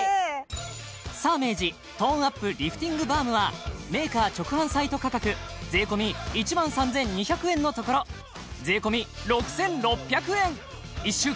サーメージトーンアップリフティングバームはメーカー直販サイト価格税込１万３２００円のところ税込６６００円１週間限定